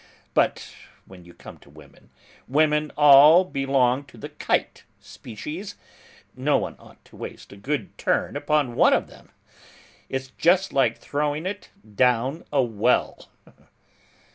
But when you come to women, women all belong to the kite species: no one ought to waste a good turn upon one of them; it's just like throwing it down a well!